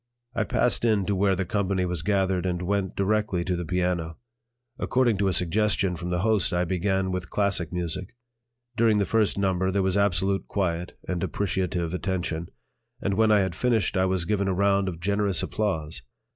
I passed in to where the company was gathered and went directly to the piano. According to a suggestion from the host, I began with classic music. During the first number there was absolute quiet and appreciative attention, and when I had finished, I was given a round of generous applause.